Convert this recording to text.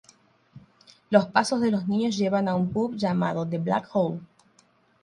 Los pasos de los niños llevan a un pub llamado The Black Hole.